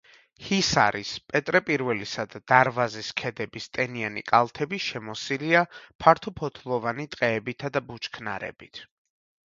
ჰისარის, პეტრე პირველისა და დარვაზის ქედების ტენიანი კალთები შემოსილია ფართოფოთლოვანი ტყეებითა და ბუჩქნარებით.